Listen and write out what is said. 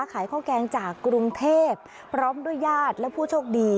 ขายข้าวแกงจากกรุงเทพพร้อมด้วยญาติและผู้โชคดี